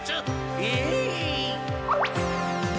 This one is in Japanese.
えい！